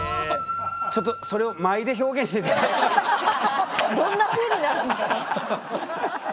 ちょっとそれをどんなふうになるんですか？